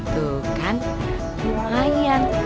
tuh kan lumayan